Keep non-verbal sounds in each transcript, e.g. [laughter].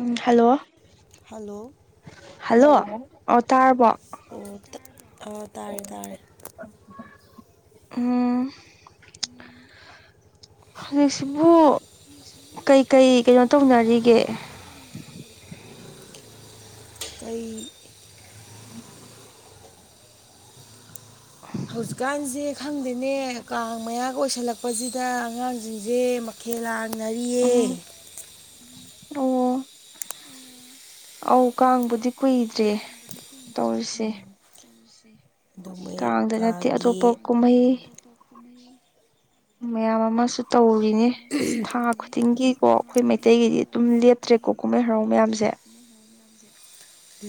ꯎꯝ hello hello hello ꯑꯣ ꯇꯥꯔꯕꯣ ꯑꯣ ꯑꯥ ꯇꯥꯔꯦ ꯇꯥꯔꯦ ꯎꯝ ꯍꯨꯖꯤꯛꯁꯤꯕꯨ ꯀꯩꯀꯩ ꯀꯩꯅꯣ ꯇꯧꯅꯔꯤꯒꯦ ꯀꯩ [inaudible] [inaudible] ꯍꯧꯖꯤꯛꯀꯥꯟꯖꯦ ꯈꯪꯗꯦꯅꯦ ꯀꯥꯡ ꯃꯌꯥꯒ ꯑꯣꯏꯁꯜꯂꯛꯄꯖꯤꯗ ꯑꯉꯥꯡꯖꯤꯡꯖꯦ ꯃꯛ ꯈꯦꯜ ꯂꯥꯡꯅꯔꯤꯌꯦ ꯎꯝ ꯑꯣ ꯑꯧ ꯀꯥꯡꯕꯨꯗꯤ ꯀꯨꯏꯗ꯭ꯔꯦ ꯇꯧꯔꯤꯁꯦ ꯑꯗꯣ ꯃꯣꯏ ꯀꯥꯡꯗ ꯅꯠꯇꯦ ꯀꯥꯡꯒꯤ ꯑꯇꯣꯞꯄ ꯀꯨꯝꯍꯩ ꯃꯌꯥꯝ ꯑꯃꯁꯨ ꯇꯧꯔꯤꯅꯦ ꯊꯥ ꯈꯨꯗꯤꯡꯒꯤꯀꯣ ꯑꯈꯣꯏ ꯃꯩꯇꯩꯒꯤꯗꯤ ꯇꯨꯝ ꯂꯦꯞꯇ꯭ꯔꯦꯀꯣ ꯀꯨꯝꯍꯩ ꯍꯔꯥꯎ ꯃꯌꯥꯝꯖꯦ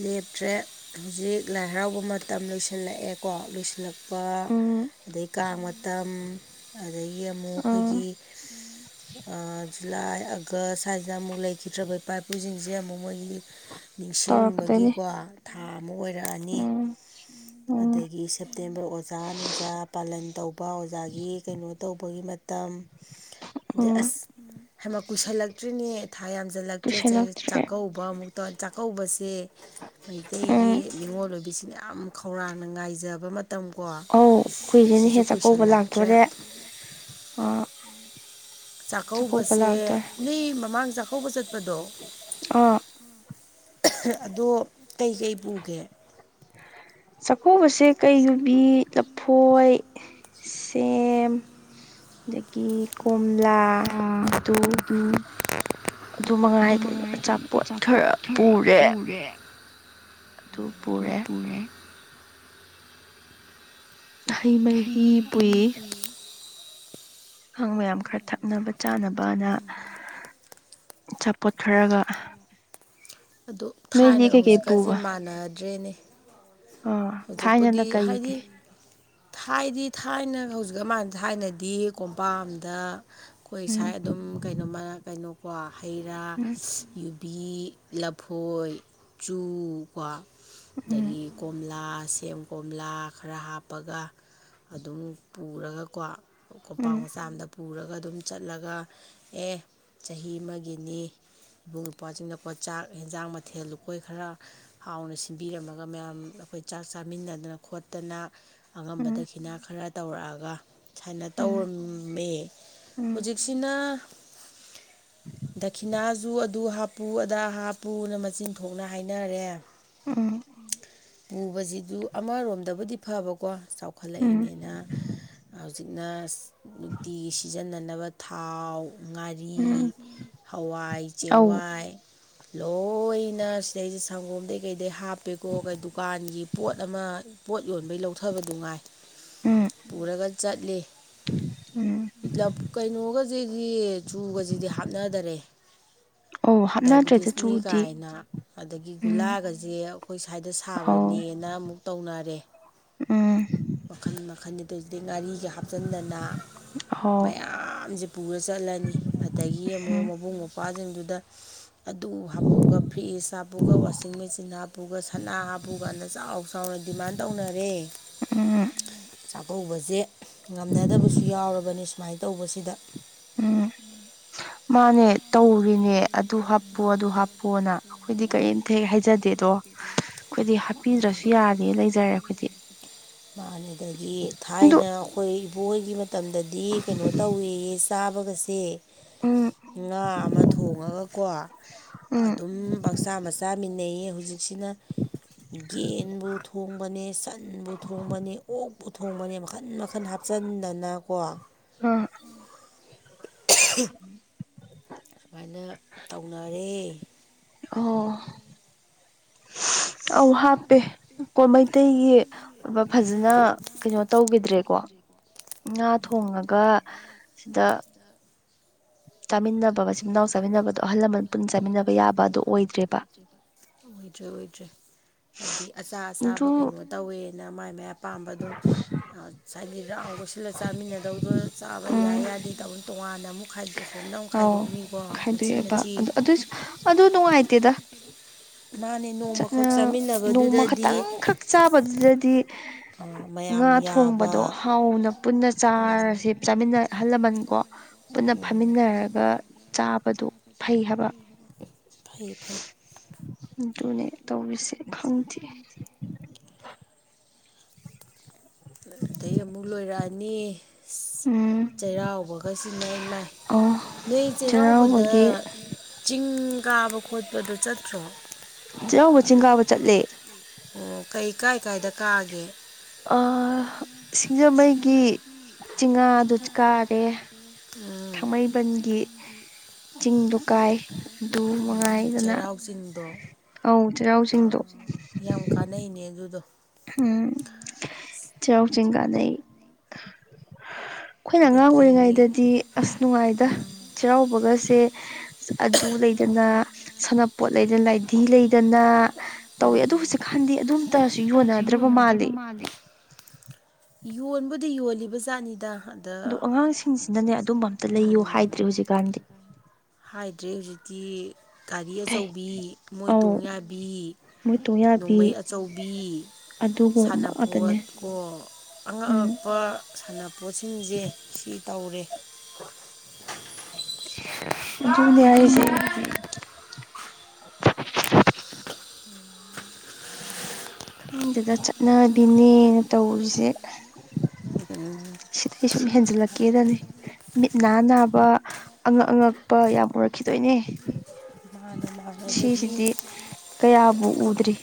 ꯂꯦꯞꯇ꯭ꯔꯦ ꯍꯨꯖꯤꯛ ꯂꯥꯏ ꯍꯔꯥꯎꯕ ꯃꯇꯝ ꯂꯣꯏꯁꯤꯜꯂꯛꯑꯦꯀꯣ ꯂꯣꯏꯁꯤꯜꯂꯛ ꯄ ꯎꯝ ꯑꯗꯩ ꯀꯥꯡ ꯃꯇꯝ ꯑꯗꯒꯤ ꯑꯃꯨꯛ ꯎꯝ ꯑꯩꯈꯣꯏꯒꯤ ꯑꯥ ꯖꯨꯂꯥꯏ ꯑꯥꯒꯁ ꯁꯥꯏꯖꯤꯗ ꯑꯃꯨꯛ ꯂꯩꯈꯤꯗ꯭ꯔꯥꯕ ꯏꯄꯥ ꯏꯄꯨꯖꯤꯡꯖꯦ ꯑꯃꯨꯛ ꯃꯣꯏꯒꯤ ꯅꯤꯡꯁꯤꯡꯕ ꯇꯧꯔꯛꯀꯗꯣꯏꯅꯤ [unintelligible] ꯊꯥ ꯑꯃꯨꯛ ꯑꯣꯏꯔꯛꯑꯅꯤ ꯎꯝ ꯎꯝ ꯑꯗꯒꯤ ꯁꯦꯞꯇꯦꯝꯕꯔ ꯑꯣꯖꯥ ꯅꯨꯡꯖꯥ ꯄꯥꯂꯟ ꯇꯧꯕ ꯑꯣꯖꯥꯒꯤ ꯀꯩꯅꯣ ꯇꯧꯕꯒꯤ ꯃꯇꯝ [inaudible] ꯑꯗꯩ ꯑꯁ ꯍꯩꯃ ꯀꯨꯏꯁꯜꯂꯛꯇ꯭ꯔꯤꯅꯦ ꯊꯥ ꯌꯥꯝꯖꯜꯂꯛꯇ꯭ꯔꯦ ꯆꯩ ꯀꯨꯏꯁꯜꯂꯛꯇ꯭ꯔꯦ ꯆꯥꯛꯀꯧ ꯕ ꯑꯃꯨꯛꯇꯧ ꯆꯥꯛꯀꯧꯕꯁꯦ ꯃꯩꯇꯩꯒꯤ ꯎꯝ ꯅꯤꯡꯉꯣꯜ ꯑꯣꯏꯕꯤꯁꯤꯡꯅ ꯌꯥꯝ ꯈꯧꯔꯥꯡꯅ ꯉꯥꯏꯖꯕ ꯃꯠ ꯑꯧ ꯀꯨꯏꯗ꯭ꯔꯦꯅꯦꯍꯦ ꯆꯥꯛꯀꯧꯕ ꯀꯨꯏꯁꯜꯂꯛꯇ꯭ꯔꯦ ꯂꯥꯛꯇꯣꯔꯦ ꯑꯥ ꯆꯥꯛꯀꯧꯕꯁꯦ ꯅꯣꯏ ꯃꯃꯥꯡ ꯆꯥꯛꯀꯧꯕ ꯆꯠꯄꯗꯣ ꯑꯥ ꯑꯗꯣ ꯀꯩꯀꯩ ꯄꯨꯒꯦ ꯆꯥꯛꯀꯧꯕꯁꯦ ꯀꯩ ꯌꯨꯕꯤ ꯂꯐꯣꯏ ꯁꯦꯝ ꯑꯗꯒꯤ ꯀꯣꯝꯂꯥ ꯑꯗꯨ ꯑꯗꯨ ꯃꯉꯥꯏ ꯀꯩꯅꯣ ꯑꯆꯥꯄꯣꯠ ꯈꯔ ꯄꯨꯔꯦ ꯑꯗꯨ ꯄꯨꯔꯦ ꯍꯩ ꯃꯍꯤ ꯄꯨꯏ ꯍꯥꯡ ꯃꯌꯥꯝ ꯈꯔ ꯊꯛꯅꯕ ꯆꯥꯅꯕ ꯑꯥꯅ ꯑꯆꯥꯄꯣꯠ ꯈꯔꯒ ꯑꯗꯨ ꯅꯣꯏꯗꯤ ꯊꯥꯏꯅꯒ ꯀꯩꯀꯩ ꯍꯧꯖꯤꯛꯀꯥꯖꯦ ꯄꯨꯕ ꯃꯥꯟꯅꯗ꯭ꯔꯦꯅꯦ ꯑꯣ ꯊꯥꯏꯅꯅ ꯍꯧꯖꯤꯛꯄꯨꯗꯤ ꯀꯩꯒꯤ ꯍꯥꯏꯗꯤ ꯊꯥꯏꯗꯤ ꯊꯥꯏꯅ ꯍꯧꯖꯤꯛꯀꯥ ꯃꯥꯟ ꯊꯥꯏꯅꯗꯤ ꯀꯣꯝꯄꯥꯛꯑꯝꯗ ꯈꯣꯏ ꯎꯝ ꯁꯥꯏ ꯑꯗꯨꯝ ꯀꯩꯅꯣꯃꯥ ꯀꯩꯅꯣꯀꯣ ꯍꯩ ꯔꯥ ꯎꯝ ꯌꯨ ꯕꯤ ꯂꯐꯣꯏ ꯆꯨ ꯀꯣ ꯎꯝ ꯑꯗꯒꯤ ꯀꯣꯝꯂꯥ ꯂꯥ ꯁꯦꯝ ꯀꯣꯝꯂꯥ ꯈꯔ ꯍꯥꯞꯄꯒ ꯑꯗꯨꯝ ꯄꯨꯔꯒꯀꯣ ꯀꯣꯝꯄꯥꯛ ꯎꯝ ꯃꯆꯥ ꯑꯃꯗ ꯄꯨꯔꯒ ꯑꯗꯨꯝ ꯆꯠꯂꯒ ꯑꯦ ꯆꯍꯤ ꯑꯃꯒꯤꯅꯤ ꯏꯕꯨꯡ ꯏꯄ꯭ꯋꯥꯖꯤꯡꯅꯀꯣ ꯆꯥꯛ ꯍꯦꯟꯖꯥꯡ ꯃꯊꯦꯜ ꯂꯨꯀꯣꯏ ꯈꯔ ꯍꯥꯎꯅ ꯁꯤꯟꯕꯤꯔꯝꯃꯒ ꯃꯌꯥꯝ ꯑꯈꯣꯏ ꯆꯥꯛ ꯆꯥꯃꯤꯟꯅꯗꯅ ꯈꯣꯠꯇꯅ ꯑꯉꯝꯕ ꯎꯝ ꯗꯈꯤꯅꯥ ꯈꯔ ꯇꯧꯔꯛꯑꯒ ꯁꯥꯏꯅ ꯇꯧꯔꯝꯃꯦ ꯎꯝ ꯍꯧꯖꯤꯛꯁꯤꯅ ꯗꯈꯤꯅꯥꯖꯨ ꯑꯗꯨ ꯍꯥꯞꯄꯨ ꯑꯗꯥ ꯍꯥꯞꯄꯨꯅ ꯃꯆꯤꯟ ꯊꯣꯛꯅ ꯍꯥꯏꯅꯔꯦ ꯎꯝ ꯄꯨꯕꯖꯤꯗꯨ ꯑꯃꯔꯣꯝꯗꯕꯨꯗꯤ ꯐꯕꯀꯣ ꯎꯝ ꯎꯝ ꯆꯥꯎꯈꯠꯂꯛꯏꯅꯤꯅ ꯍꯧꯖꯤꯛꯅ ꯅꯨꯡꯇꯤꯒꯤ ꯁꯤꯖꯤꯟꯅꯅꯕ ꯊꯥꯎ ꯉꯥꯏ ꯔꯤ ꯎꯝ ꯍꯋꯥꯏ ꯑꯧ ꯆꯦꯡꯋꯥꯏ ꯂꯣꯏꯅ ꯁꯤꯗꯩꯩ... ꯁꯪꯒꯣꯝꯗꯩꯩ ꯀꯩꯗꯩ ꯍꯥꯞꯄꯦꯀꯣ ꯀꯩ ꯗꯨꯀꯥꯟꯒꯤ ꯄꯣꯠ ꯑꯃ ꯄꯣꯠ ꯌꯣꯟꯕꯩ ꯂꯧꯊꯕꯗꯨ ꯉꯥꯏ ꯎꯝ ꯄꯨꯔꯒ ꯆꯠꯂꯦ ꯎꯝ ꯂꯕ ꯀꯩꯅꯣꯒ ꯖꯤꯗꯤ ꯆꯨꯒꯖꯤꯗꯤ ꯍꯥꯞꯅꯗꯔꯦ ꯑꯧ ꯍꯥꯞꯅꯗ꯭ꯔꯦꯗ ꯗꯥꯏꯕꯦꯇꯤꯁꯅꯤ ꯆꯨꯗꯤ ꯀꯥꯏꯅ ꯑꯗꯒꯤ ꯎꯝ ꯒꯨꯂꯥꯒꯁꯦ ꯑꯩꯈꯣꯏ ꯁ꯭ꯋꯥꯏꯗ ꯑꯧ ꯊꯥꯕꯅꯦꯅ ꯑꯃꯨꯛ ꯇꯧꯅꯔꯦ ꯎꯝ ꯃꯈꯜ ꯃꯈꯜꯅꯤ ꯑꯗꯨ ꯁꯤꯗꯩ ꯉꯥꯔꯤꯒ ꯍꯥꯞ ꯍꯥꯞꯆꯟꯗꯅ ꯍꯥꯎ ꯃꯌꯥꯝꯖꯦ ꯄꯨꯔ ꯆꯠꯂꯅꯤ ꯑꯗꯒꯤ ꯑꯃꯨꯛ ꯎꯝ ꯃꯕꯨꯡ ꯃꯧꯄꯥ ꯁꯤꯡꯗꯨꯗ ꯑꯗꯨ ꯍꯥꯞꯄꯨꯒ ꯐ꯭ꯔꯤꯖ ꯍꯥꯞꯄꯨꯒ ꯋꯥꯁꯤꯡ ꯃꯦꯆꯤꯟ ꯍꯥꯞꯄꯨꯒ ꯁꯅꯥ ꯍꯥꯞꯄꯨ ꯀꯅ ꯆꯥꯎ ꯆꯥꯎꯅ ꯗꯤꯃꯥꯟ ꯇꯧꯅꯔꯦ ꯎꯝ ꯆꯥꯛꯀꯧꯕꯁꯦ ꯉꯝꯅꯗꯕꯁꯨ ꯌꯥꯎꯔꯕꯅꯤ ꯁꯨꯃꯥꯏꯅ ꯇꯧꯕꯁꯤꯗ ꯎꯝ ꯃꯥꯅꯦ ꯇꯧꯔꯤꯅꯦ ꯑꯗꯨ ꯍꯥꯞꯄꯨ ꯑꯗꯨ ꯍꯥꯞꯄꯨꯅ ꯑꯩꯈꯣꯏꯗꯤ ꯀꯔꯤꯝꯇ ꯍꯦꯛ ꯍꯥꯏꯖꯗꯦꯗꯣ ꯑꯩꯈꯣꯏꯗꯤ ꯍꯥꯞꯄꯤꯗ꯭ꯔꯁꯨ ꯌꯥꯔꯦ ꯂꯩꯖꯔꯦ ꯑꯩꯈꯣꯏꯗꯤ ꯑꯗꯨ ꯊꯥꯏꯅ ꯑꯩꯈꯣꯏ ꯏꯕꯣꯍꯣꯏꯒꯤ ꯃꯇꯝꯗꯗꯤ ꯀꯩꯅꯣ ꯇꯧꯌꯦ ꯁꯦ ꯆꯥꯕꯒꯁꯦ ꯎꯝ ꯉꯥ ꯑꯃ ꯊꯣꯡꯉꯒꯀꯣ ꯎꯝ ꯑꯗꯨꯝ ꯄꯪꯆꯥꯥ ꯃꯆꯥꯃꯤꯟꯅꯩꯌꯦ ꯍꯧꯖꯤꯛꯁꯤꯅ ꯌꯦꯟꯕꯨ ꯊꯣꯡꯕꯅꯦ ꯁꯟꯕꯨ ꯊꯣꯡ ꯊꯣꯡꯕꯅꯦ ꯑꯣꯛ ꯑꯣꯛꯄꯨ ꯊꯣꯡꯕꯅꯦ ꯃꯈꯟ ꯃꯈꯟ ꯍꯥꯞꯆꯟꯗꯅꯀꯣ ꯑ [unintelligible] ꯁꯨꯃꯥꯏꯅ ꯇꯧꯅꯔꯦ ꯑꯣ ꯑꯧ ꯍꯥꯞꯄꯦ ꯀꯣ ꯃꯩꯇꯩꯒꯤ ꯐꯖꯅ ꯀꯩꯅꯣ ꯇꯧꯒꯤꯗ꯭ꯔꯦꯀꯣ ꯉꯥ ꯊꯣꯡꯉꯒ ꯁꯤꯗ ꯆꯥꯃꯤꯟꯅꯕ ꯃꯆꯤꯟ ꯃꯅꯥꯎ ꯆꯥꯃꯤꯟꯅꯕꯗꯣ ꯑꯍꯜ ꯂꯃꯟ ꯄꯨꯟ ꯆꯥꯃꯤꯟꯅꯕ ꯌꯥꯕꯗꯣ ꯑꯣꯏꯗ꯭ꯔꯦꯕ ꯑꯣꯏꯗ꯭ꯔꯦ ꯑꯣꯏꯗ꯭ꯔꯦ ꯍꯥꯏꯗꯤ ꯑꯆꯥ ꯑꯆꯥꯥꯕ ꯑꯗꯨ ꯀꯩꯅꯣ ꯇꯧꯋꯦꯅ ꯃꯥꯏ ꯃꯥꯏ ꯄꯥꯝꯕ ꯑꯗꯨꯝ ꯍꯥꯏꯗꯤ ꯔꯥꯎꯟ ꯀꯣꯏꯁꯤꯜꯂꯒ ꯆꯥꯃꯤꯟꯅꯗꯧꯗꯣ ꯆꯥꯕ ꯎꯝ ꯌꯥꯏ ꯌꯥꯗꯦ ꯇꯧꯅ ꯇꯣꯉꯥꯟꯅ ꯑꯃꯨꯛ ꯈꯥꯏꯗꯣꯛ ꯁꯣꯝꯗ ꯑꯃꯨꯛ ꯑꯧ ꯈꯥꯏꯗꯣꯛꯅꯤꯀꯣ ꯃꯆꯤ ꯈꯥꯏꯗꯣꯛꯑꯦꯕ ꯃꯆꯤ ꯑꯗꯨ ꯑꯗꯨꯏꯁꯨ ꯑꯗꯨ ꯅꯨꯡꯉꯥꯏꯇꯦꯗ ꯃꯥꯅꯦ ꯆꯠꯅ ꯅꯣꯡꯃꯈꯛ ꯅꯣꯡꯃ ꯆꯥꯃꯤꯟꯅꯕꯗꯨꯗꯗꯤ ꯈꯛꯇꯪ ꯈꯛ ꯆꯥꯕꯗꯨꯗꯗꯤ ꯉꯥ ꯃꯌꯥꯝ ꯌꯥꯕ ꯊꯣꯡꯕꯗꯣ ꯍꯥꯎꯅ ꯄꯨꯟꯅ ꯆꯥꯔꯁꯦ ꯆꯥꯃꯤꯟꯅ ꯑꯍꯜ ꯂꯃꯟꯀꯣ ꯄꯨꯟꯅ ꯐꯝꯃꯤꯟꯅꯔꯒ ꯆꯥꯕꯗꯨ ꯐꯩ ꯍꯥꯏꯕ ꯐꯩ ꯐꯩ ꯑꯗꯨꯅꯦ ꯇꯧꯔꯤꯁꯦ ꯈꯪꯗꯦ ꯑꯗꯩ ꯑꯃꯨꯛ ꯂꯣꯏꯔꯛꯑꯅꯤ ꯑꯁ ꯎꯝ ꯆꯩꯔꯥꯎꯕꯒꯁꯤꯅ ꯏꯃꯥꯏ ꯑꯣ ꯅꯣꯏ ꯆꯩꯔꯥꯎꯕꯗ ꯆꯩꯔꯥꯎꯕꯒꯤ ꯆꯤꯡ ꯀꯥꯕ ꯈꯣꯠꯄꯗꯨ ꯆꯠꯇ꯭ꯔꯣ ꯆꯩꯔꯥꯎꯕ ꯆꯤꯡ ꯀꯥꯕ ꯆꯠꯂꯦ ꯑꯣ ꯀꯩ ꯀꯥꯏ ꯀꯥꯏꯗ ꯀꯥꯒꯦ ꯑ ꯁꯤꯡꯖꯃꯩꯒꯤ ꯆꯤꯉꯥꯗꯨ ꯀꯥꯔꯦ ꯎꯝ ꯊꯥꯡꯃꯩꯕꯟꯒꯤ ꯆꯤꯡꯗꯨ ꯀꯥꯏ ꯑꯗꯨ ꯎꯝ ꯃꯉꯥꯏꯗꯅ ꯆꯩꯔꯥꯎ ꯆꯤꯡꯗꯣ ꯑꯧ ꯆꯦꯔꯥꯎ ꯆꯤꯡꯗꯣ ꯌꯥꯝ ꯀꯥꯅꯩꯅꯦ ꯑꯗꯨꯗꯣ ꯍꯝ ꯆꯦꯔꯥꯎ ꯆꯤꯡ ꯀꯥꯅꯩ ꯜꯈꯣꯏꯅ ꯑꯉꯥꯡ ꯑꯗꯒꯤ ꯑꯣꯏꯔꯤꯉꯩꯗꯗꯤ ꯑꯁ ꯅꯨꯉꯥꯏꯗ ꯆꯩꯔꯥꯎꯕꯒꯁꯦ ꯑꯗꯨ ꯂꯩꯗꯅ ꯁꯥꯟꯅꯄꯣꯠ ꯂꯩꯗꯅ ꯂꯥꯏꯙꯤ ꯂꯩꯗꯅ ꯇꯧꯋꯦ ꯑꯗꯨ ꯍꯧꯖꯤꯛꯀꯥꯟꯗꯤ ꯑꯗꯨ ꯑꯝꯇꯁꯨ ꯌꯣꯟꯅ ꯌꯣꯟꯅꯗ꯭ꯔꯕ ꯃꯥꯜꯂꯦ ꯌꯣꯟꯕꯨꯗꯤ ꯌꯣꯜꯂꯤꯕ ꯖꯥꯠꯅꯤꯗ ꯑꯗ ꯑꯗꯣ ꯑꯉꯥꯡꯁꯤꯡꯁꯤꯅꯅꯦ ꯑꯗꯨꯝꯕ ꯑꯝꯇ ꯂꯩꯌꯨ ꯍꯥꯏꯗ꯭ꯔꯦ ꯍꯧꯖꯤꯛꯀꯥꯟꯗꯤ ꯍꯥꯏꯗ꯭ꯔꯦ ꯍꯨꯖꯤꯛꯇꯤ ꯒꯥꯔꯤ ꯑꯆꯧꯕꯤ ꯃꯣꯏ ꯑꯧ ꯇꯣꯡ ꯌꯥꯕꯤ ꯃꯣꯏ ꯇꯣꯡ ꯌꯥꯕꯤ ꯅꯣꯡꯃꯩ ꯑꯆꯧꯕꯤ ꯑꯗꯨꯒꯨꯝꯕ ꯉꯥꯛꯇꯅꯦ ꯁꯥꯟꯅꯄꯣꯠ ꯀꯣ ꯑꯉꯛ ꯎꯝ ꯑꯉꯛꯄ ꯁꯥꯟꯅꯄꯣꯠꯁꯤꯡꯖꯦ ꯁꯤ ꯇꯧꯔꯦ ꯑꯗꯨꯅꯦ ꯍꯥꯏꯖꯦ [inaudible] ꯈꯪꯗꯦꯗ ꯆꯠꯅꯕꯤꯅꯦꯅ ꯇꯧꯔꯤꯖꯦ [inaudible] ꯁꯤꯗꯩ ꯁꯨꯝ ꯍꯦꯟꯖꯤꯜꯂꯛꯀꯦꯗꯅꯦ ꯃꯤꯠ ꯅꯥ ꯅꯥꯕ ꯑꯉꯛ ꯑꯉꯛꯄ ꯌꯥꯝ ꯎꯔꯛꯈꯤꯗꯣꯏꯅꯦ ꯃꯥꯅ ꯃꯥꯅ ꯑꯗꯒꯤ ꯁꯤꯁꯤꯗꯤ ꯀꯌꯥꯕꯨ ꯎꯗ꯭ꯔꯤ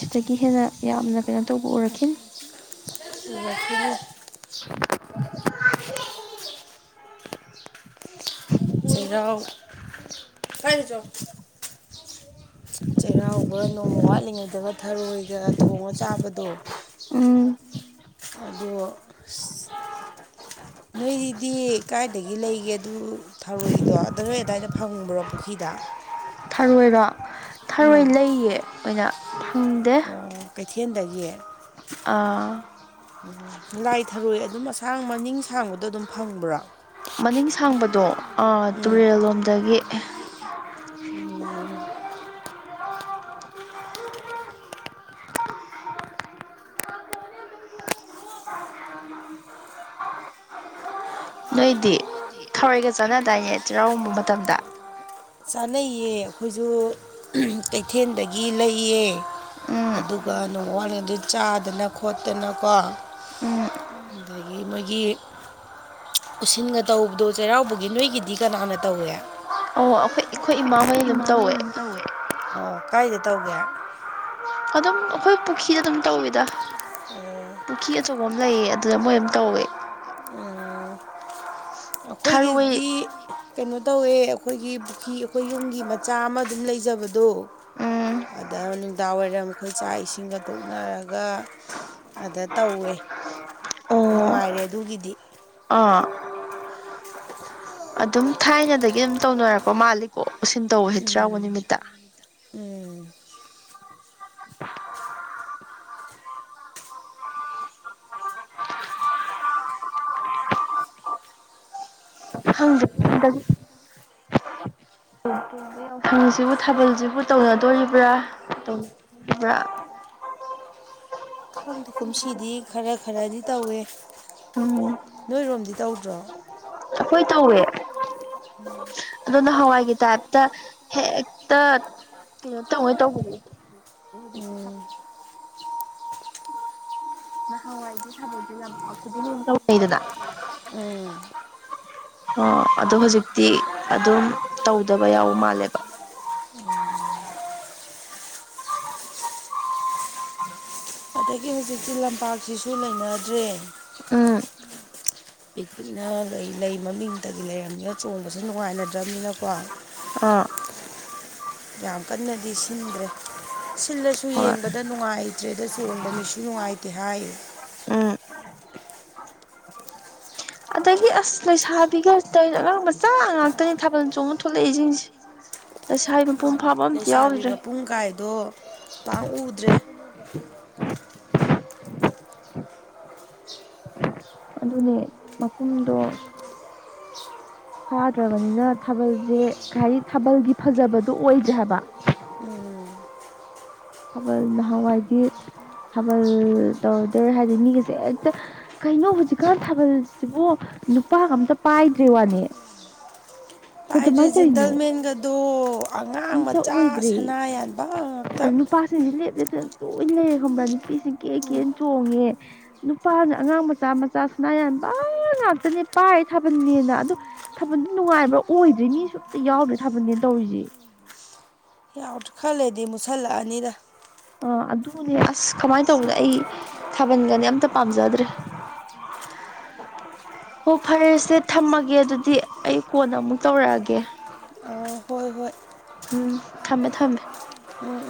ꯁꯤꯗꯒꯤ ꯍꯦꯟꯅ ꯌꯥꯝꯅ ꯀꯩꯅꯣ ꯇꯧꯕ ꯎꯔꯛꯈꯤꯅꯤ [inaudible] ꯆꯦꯔꯥꯎ ꯄꯥꯏꯅꯨ ꯆꯣ ꯆꯩꯔꯥꯎꯕ ꯅꯣꯡꯃ ꯋꯥꯠꯂꯤꯉꯩꯗꯕ ꯊꯔꯣꯏꯒ ꯊꯣꯡꯉ ꯆꯥꯕꯗꯣ ꯎꯝ ꯑꯗꯣ ꯅꯣꯏꯗꯤ ꯀꯥꯏꯗꯒꯤ ꯂꯩꯒꯦ ꯑꯗꯨ ꯊꯔꯣꯏꯗꯣ ꯑꯗꯣ ꯅꯣꯏ ꯑꯗ꯭ꯋꯥꯏꯗ ꯐꯪꯕ꯭ꯔꯣ ꯄꯨꯈꯤꯗ ꯊꯔꯣꯏꯔꯣ ꯊꯔꯣꯏ ꯂꯩꯌꯦ ꯑꯣꯏꯅ ꯐꯪꯗꯦ ꯀꯩꯊꯦꯟꯗꯒꯤ ꯑꯥ ꯂꯥꯏ ꯊꯔꯣꯏ ꯑꯗꯨꯝ ꯑꯁꯥꯡ ꯃꯅꯤꯡ ꯁꯥꯡꯕꯗꯣ ꯑꯗꯨꯝ ꯐꯪꯕ꯭ꯔꯣ ꯃꯅꯤꯡ ꯁꯥꯡꯕꯗꯣ ꯑ ꯇꯨꯔꯦꯜꯂꯣꯝꯗꯒꯤ ꯎꯝ ꯅꯣꯏꯗꯤ ꯊꯔꯣꯏꯒ ꯆꯥꯟꯅꯗꯥꯏꯅꯦ ꯆꯦꯔꯥꯎꯕ ꯃꯇꯝꯗ ꯆꯥꯅꯩꯌꯦ ꯑꯈꯣꯏꯖꯨ ꯎꯝ ꯀꯩꯊꯦꯜꯗꯒꯤ ꯂꯩꯌꯦ ꯎꯝ ꯑꯗꯨꯒ ꯅꯣꯡ ꯋꯥꯂꯤꯉꯩꯗꯩ ꯆꯥꯗꯅ ꯈꯣꯠꯇꯅ ꯀꯣ ꯎꯝ ꯑꯗꯒꯤ ꯃꯣꯏꯒꯤ ꯎꯁꯤꯟꯒ ꯇꯧꯕꯗꯣ ꯆꯩꯔꯥꯎꯕꯒꯤ ꯅꯣꯏꯒꯤꯗꯤ ꯀꯅꯥꯅ ꯇꯧꯋꯦ ꯑꯣ ꯑꯈꯣꯏ ꯈꯣꯏ ꯑꯈꯣꯏ ꯏꯃꯥꯒꯩꯅ ꯗꯨꯝ ꯇꯧꯋꯦ ꯀꯥꯏꯗ ꯇꯧꯒꯦ ꯑꯗꯨꯝ ꯑꯈꯣꯏ ꯄꯨꯈꯤꯗ ꯑꯗꯨꯝ ꯇꯧꯋꯤꯗ ꯄꯨꯈꯤ ꯑꯆꯧꯕ ꯑꯃꯥ ꯂꯩꯌꯦ ꯑꯗꯨꯗ ꯃꯣꯏ ꯑꯝ ꯇꯧꯋꯦ ꯑꯥ ꯊꯔꯣꯏ ꯑꯈꯣꯏꯒꯤꯗꯤ_ _ ꯀꯩꯅꯣ ꯇꯧꯋꯦ ꯑꯩꯈꯣꯏꯒꯤ ꯄꯨꯈꯤ ꯑꯈꯣꯏ ꯌꯨꯝꯒꯤ ꯃꯆꯥ ꯑꯃ ꯑꯗꯨꯝ ꯂꯩꯖꯕꯗꯣ_ _ ꯎꯝ ꯑꯗ ꯅꯨꯡꯗꯥꯡ ꯋꯥꯏꯔꯝ ꯈꯣꯏ ꯆꯥꯛ ꯏꯁꯤꯡꯒ ꯇꯣꯛꯅꯔꯒ_ _ ꯑꯗ ꯇꯧꯋꯦ ꯅꯨꯡꯉꯥꯏꯔꯦ ꯑꯗꯨꯒꯤꯗꯤ꯫ ꯑꯥ_ _ [unintelligible] ꯑꯗꯨꯝ ꯊꯥꯏꯅꯗꯒꯤ ꯑꯗꯨꯝ ꯇꯧꯅꯔꯛꯄ ꯃꯥꯜꯂꯤ꯫ ꯎꯝ ꯎꯝ꯫ ꯈꯪꯗꯦ [unintelligible] ꯍꯧꯖꯤꯛꯁꯤꯕꯨ ꯊꯥꯕꯜꯁꯤꯕꯨ ꯇꯧꯅꯗꯣꯔꯤꯕ꯭ꯔꯥ ꯇꯧꯔꯣꯢꯗꯧꯔꯤꯕ꯭ꯔꯥ ꯥꯡꯗ ꯀꯨꯝꯁꯤꯗꯤ ꯈꯔ ꯈꯔꯗꯤ ꯇꯧꯋꯦ ꯎꯝ ꯅꯣꯏꯔꯣꯝꯗꯤ ꯇꯧꯗ꯭ꯔꯣ ꯑꯩꯈꯣꯏ ꯇꯧꯋꯦ ꯎꯝ [inaudible] ꯑꯗꯨꯅ ꯍꯋꯥꯏꯒꯤ ꯇꯥꯏꯞꯇ ꯍꯦꯛꯇ ꯀꯩꯅꯣ ꯇꯧꯉꯩ ꯇꯧꯕꯅꯦ ꯍꯧꯖꯤꯛꯁꯦ ꯎꯝ ꯊꯥꯕꯜꯁꯦ ꯅꯍꯥꯟꯋꯥꯏꯒꯤ ꯊꯥꯕꯛꯁꯦ ꯌꯥꯝ ꯈꯨꯗꯤꯡ ꯇꯧꯅꯩꯗꯅ ꯎꯝ ꯑꯣ ꯑꯗꯨ ꯍꯧꯖꯤꯛꯇꯤ ꯑꯗꯨꯝ ꯇꯧꯗꯕ ꯌꯥꯎꯕ ꯃꯥꯜꯂꯦꯕ ꯎꯝ [inaudible] ꯑꯗꯒꯤ ꯍꯧꯖꯤꯛꯇꯤ ꯂꯝꯄꯥꯛꯁꯤꯁꯨ ꯂꯩꯅꯗ꯭ꯔꯦ ꯎꯝ ꯑꯩ ꯈꯨꯅ ꯂꯩ ꯂꯩ ꯃꯃꯤꯡꯇꯒꯤ ꯂꯩꯔꯕꯝꯅꯤꯅ ꯆꯣꯡꯕꯁꯨ ꯅꯨꯡꯉꯥꯏꯅꯗ꯭ꯔꯕꯅꯤꯅꯀꯣ ꯑꯥ ꯌꯥꯝ ꯀꯟꯅꯗꯤ ꯁꯤꯟꯗ꯭ꯔꯦ ꯁꯤꯜꯂꯁꯨ ꯍꯣꯏ ꯌꯦꯡꯕꯗ ꯅꯨꯡꯉꯥꯏꯇ꯭ꯔꯦꯗ ꯆꯣꯡꯕ ꯃꯤꯁꯨ ꯅꯨꯡꯉꯥꯏꯇ꯭ꯔꯦ ꯇꯦ ꯍꯥꯏ ꯎꯝ ꯑꯗꯒꯤ ꯑꯁ ꯂꯩꯁꯥꯕꯤꯒ ꯇꯧꯔꯤꯁꯦ ꯑꯉꯥꯡ ꯃꯆꯥ ꯉꯥꯛꯇꯅꯤ ꯊꯥꯕꯜ ꯆꯣꯡꯕꯅ ꯊꯣꯛꯂꯛꯏꯁꯤꯡꯁꯦ ꯂꯩꯁꯥꯕꯤ ꯃꯄꯨꯡ ꯐꯥꯕ ꯑꯝꯇ ꯂꯩꯁꯥꯕꯤ ꯌꯥꯎꯗ꯭ꯔꯦ ꯃꯄꯨꯡ ꯀꯥꯏꯗꯣ ꯄꯥꯛ ꯎꯗ꯭ꯔꯦ [inaudible] [unintelligible] ꯑꯗꯨꯅꯦ ꯃꯄꯨꯝꯗꯣ ꯊꯥꯈ꯭ꯔꯕꯅꯤꯅ ꯊꯥꯕꯜꯁꯦ ꯀꯩ ꯍꯥꯏ ꯊꯥꯕꯜꯒꯤ ꯐꯖꯕꯗꯣ ꯑꯣꯏꯗ꯭ꯔꯦ ꯍꯥꯏꯕ ꯎꯝ ꯊꯥꯕꯜ ꯅꯍꯥꯟꯋꯥꯏꯗꯤ ꯊꯥꯕꯜ ꯇꯧꯔꯛꯇꯧꯔꯦ ꯍꯥꯏꯗꯤ ꯃꯤꯒꯁꯦ ꯍꯦꯛꯇ ꯀꯩꯅꯣ ꯍꯧꯖꯤꯛꯀꯥꯟ ꯊꯥꯕꯜꯁꯤꯕꯨ ꯅꯨꯄꯥ ꯑꯝꯇ ꯄꯥꯏꯗ꯭ꯔꯦ ꯋꯥꯅꯦ ꯄꯥꯏꯗ꯭ꯔꯦ ꯀꯩꯗꯧꯃꯥꯏꯅ ꯇꯧꯔꯤꯅꯣ ꯖꯦꯟꯇꯜꯃꯦꯟꯒꯗꯣ ꯑꯉꯥꯡ ꯑꯝꯇ ꯃꯆꯥ ꯁꯅꯥ ꯌꯥꯟꯕ ꯉꯥꯛꯇ ꯁꯤꯡꯁꯤ ꯂꯦꯞ ꯂꯦꯞꯇꯅ ꯂꯣꯏꯅ ꯂꯩꯔꯦ ꯈꯪꯕ꯭ꯔꯥ ꯅꯨꯄꯤꯁꯤ ꯀꯦ ꯀꯦ ꯆꯣꯡꯉꯦ ꯅꯨꯄꯥꯁꯦ ꯑꯉꯥꯡ ꯃꯆꯥ ꯃꯆꯥ ꯁꯅꯥ ꯌꯥꯟꯕ ꯉꯥꯛꯇꯅꯦ ꯄꯥꯏ ꯊꯥꯕꯅꯦꯅ ꯑꯗꯨ ꯊꯥꯕꯜꯗꯤ ꯅꯨꯡꯉꯥꯏꯕ꯭ꯔꯥ ꯑꯣꯏꯗ꯭ꯦ ꯃꯤꯁꯨ ꯑꯝꯇ ꯌꯥꯎꯗ꯭ꯔꯦ ꯊꯥꯕꯜꯅꯦꯅ ꯇꯧꯔꯤꯁꯦ ꯈꯔ ꯂꯩꯔꯗꯤ ꯃꯨꯁꯜꯂꯛꯑꯅꯤꯗ ꯑ ꯑꯗꯨꯅꯦ ꯑꯁ ꯀꯃꯥꯏꯅ ꯇꯧꯕꯅꯣ ꯑꯩ ꯊꯥꯕꯜꯒꯅꯤ ꯑꯝꯇ ꯄꯥꯝꯖꯗ꯭ꯔꯦ [inaudible] [inaudible] ꯭ ꯑꯣ ꯐꯔꯦꯁꯦ ꯊꯝꯃꯒꯦ ꯑꯗꯨꯗꯤ ꯑꯩ ꯀꯣꯟ ꯑꯃꯨꯛ ꯇꯧꯔꯛꯑꯒꯦ ꯑꯥ ꯍꯣꯏ ꯍꯣꯏ ꯎꯝ ꯊꯝꯃꯦ ꯊꯝꯃꯦ ꯎꯝ